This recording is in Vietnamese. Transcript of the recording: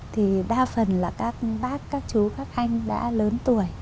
thì đa phần là các bác các chú các anh đã lớn tuổi